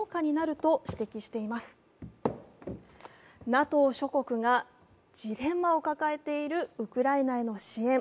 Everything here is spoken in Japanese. ＮＡＴＯ諸国がジレンマを抱えているウクライナへの支援。